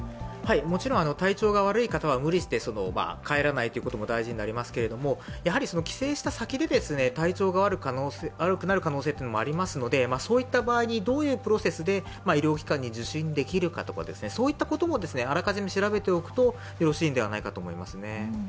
もちろん体調が悪い方は無理して帰らないということも大事になりますけれども、帰省した先で体調が悪くなる可能性もありますのでそういった場合にどういうプロセスで医療機関に受診できるかとかそういったこともあらかじめ調べておくと、よろしいのではないと思います。